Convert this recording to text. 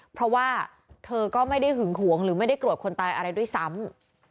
เพราะว่าเธอก็ไม่ได้หึงหวงหรือไม่ได้โกรธคนตายอะไรด้วยซ้ำ